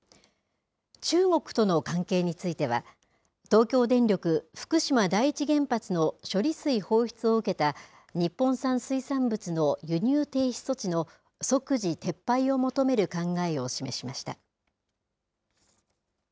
中国との関係については、東京電力福島第一原発の処理水放出を受けた、日本産水産物の輸入停止措置の即時撤廃を求める考えを示しました。